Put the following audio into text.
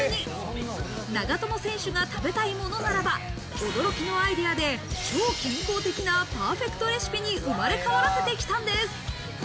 長友選手が食べたいものならば、驚きのアイデアで、超健康的なパーフェクトレシピに生まれ変わらせてきたんです。